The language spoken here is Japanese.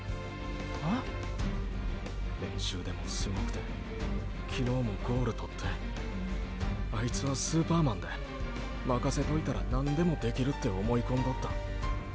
っ⁉練習でもすごくて昨日もゴール獲ってあいつはスーパーマンでまかせといたら何でもできるって思い込んどった。